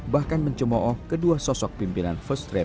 bahkan mencemooh kedua sosok pimpinan first travel